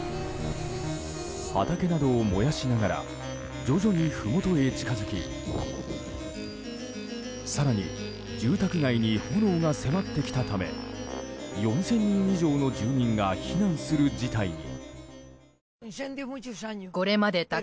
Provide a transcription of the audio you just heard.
畑などを燃やしながら徐々にふもとへ近づき更に、住宅街に炎が迫ってきたため４０００人以上の住民が避難する事態に。